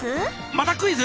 またクイズ？